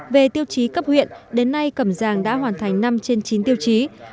về tiêu chí cấp huyện đến nay cầm giàng đã hoàn thành năm trên chín tiêu chí